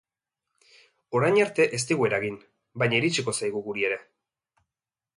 Orain arte ez digu eragin, baina iritsiko zaigu guri ere.